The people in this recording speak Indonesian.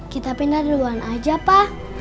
kita pindah duluan aja pak